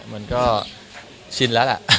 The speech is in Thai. มันก็ชินแล้วล่ะ